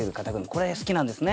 これ好きなんですね。